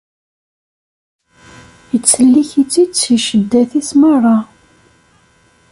Ittsellik-it-id si cceddat-is merra.